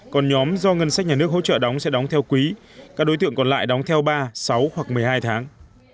còn nhóm do ngân sách nhà nước hỗ trợ đóng sẽ đóng theo quý các đối tượng còn lại đóng theo ba sáu hoặc một mươi hai tháng